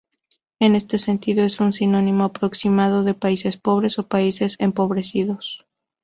En este sentido, es un sinónimo aproximado de "países pobres" o "países empobrecidos".